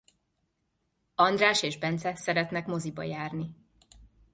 András és Bence szeretnek moziba járni.